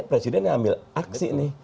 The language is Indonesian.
presiden yang ambil aksi